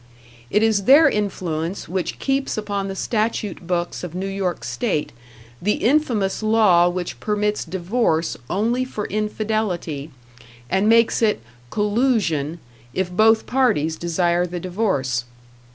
It is their influence which keeps upon the statute books of New York state the infamous law which permits divorce only for infidelity, and makes it "collusion" if both parties desire the divorce.